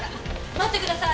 待ってください。